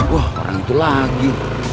wah orang itu lagi